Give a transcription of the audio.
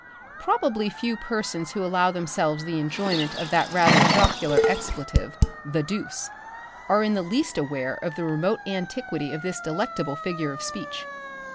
Probably few persons who allow themselves the enjoyment of that rather jocular expletive, the deuce! are in the least aware of the remote antiquity of this delectable figure of speech.